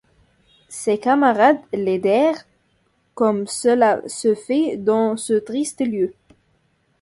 Ses camarades l'aidèrent comme cela se fait dans ce triste lieu.